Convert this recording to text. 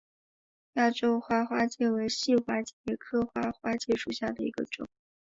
亚洲花花介为细花介科花花介属下的一个种。